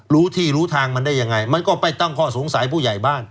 รู้ที่รู้ทางมันได้ยังไงมันก็ไปตั้งข้อสงสัยผู้ใหญ่บ้าน